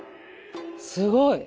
すごい！